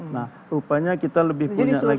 nah rupanya kita lebih punya lagi ya lampung